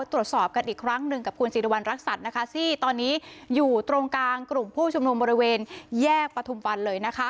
ตรวจสอบกันอีกครั้งหนึ่งกับคุณสิริวัณรักษัตริย์นะคะที่ตอนนี้อยู่ตรงกลางกลุ่มผู้ชุมนุมบริเวณแยกประทุมวันเลยนะคะ